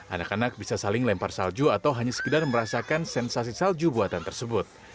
anak anak bisa saling lempar salju atau hanya sekedar merasakan sensasi salju buatan tersebut